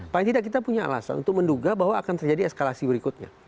paling tidak kita punya alasan untuk menduga bahwa akan terjadi eskalasi berikutnya